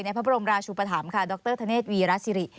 ในพระบรมราชุปธรรมค่ะดรธเนษฐ์วีราชศิริ